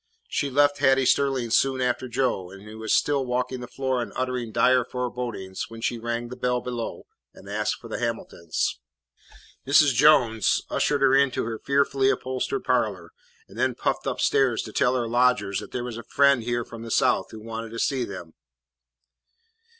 She left Hattie Sterling's soon after Joe, and he was still walking the floor and uttering dire forebodings when she rang the bell below and asked for the Hamiltons. Mrs. Jones ushered her into her fearfully upholstered parlour, and then puffed up stairs to tell her lodgers that there was a friend there from the South who wanted to see them.